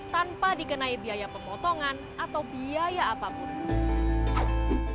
tanpa dikenai biaya pemotongan atau biaya apapun